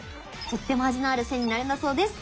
とっても味のある線になるんだそうです。